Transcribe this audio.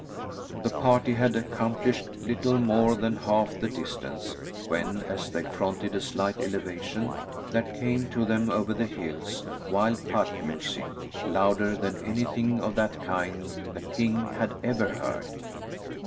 The party had accomplished little more than half the distance, when, as they fronted a slight elevation, there came to them over the hills wild pipe music, louder than anything of that kind the king had ever heard.